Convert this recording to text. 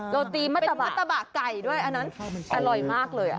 โรตีมัตตะบะเป็นมัตตะบะไก่ด้วยอันนั้นอร่อยมากเลย